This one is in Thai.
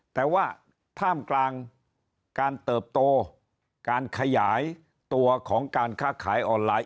แต่ว่าท่ามกลางการเติบโตการขยายตัวของการค้าขายออนไลน์